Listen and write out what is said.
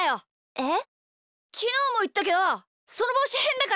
えっ？